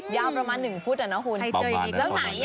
ยาวประมาณ่๑ฟุตอ่ะนะครับไหนอะไร